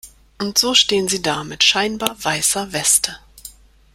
Und so stehen sie da mit scheinbar weißer Weste.